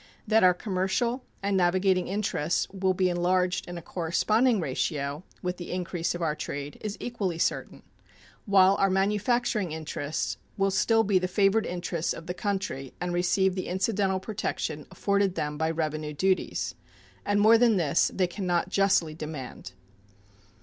That our commercial and navigating interests will be enlarged in a corresponding ratio with the increase of our trade is equally certain, while our manufacturing interests will still be the favored interests of the country and receive the incidental protection afforded them by revenue duties; and more than this they can not justly demand.